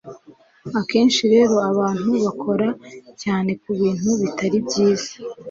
Akenshi rero abantu bakora cyane kubintu bitari byiza.